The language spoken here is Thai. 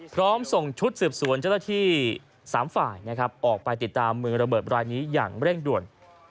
พร้อมส่งชุดสืบสวนเจ้าหน้าที่๓ฝ่ายนะครับออกไปติดตามมือระเบิดรายนี้อย่างเร่งด่วน